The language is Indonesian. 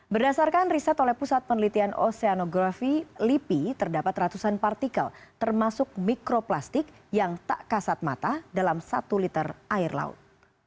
berdasarkan riset oleh pusat penelitian oseanografi lipi terdapat ratusan partikel termasuk mikroplastik yang tak kasat mata dalam satu liter air laut